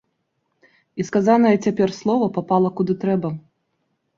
І сказанае цяпер слова папала куды трэба.